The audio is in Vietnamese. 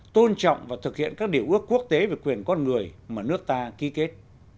tôn trọng và thực hiện các điều ước quốc tế về quyền con người mà nước ta ký kết